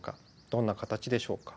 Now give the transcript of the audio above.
どんな形でしょうか。